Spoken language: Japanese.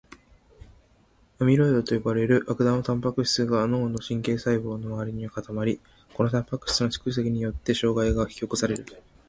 アミロイドと呼ばれる悪玉タンパク質が脳の神経細胞の周りに固まり、このタンパク質の蓄積によって障害が引き起こされる。